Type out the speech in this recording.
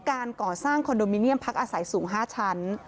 การก่อสร้างคอนโดมิเนียมพักอาศัยสูง๕ชั้น